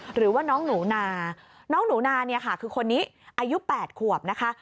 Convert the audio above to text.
หรือว่าน้องหนูนาน้องหนูนาเนี่ยค่ะคือคนนี้อายุ๘ขวบนะคะ